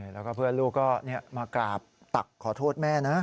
แล้วก็เพื่อนลูกก็มากราบตักขอโทษแม่นะ